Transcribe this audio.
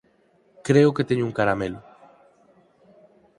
Creo que teño un caramelo.